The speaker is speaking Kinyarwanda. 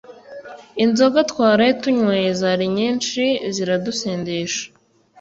Inzoga twaraye tunyweye zari nyinsi ziradusindisha